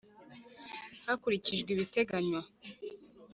Hakurikijwe ibiteganywa.